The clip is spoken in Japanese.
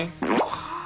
はあ！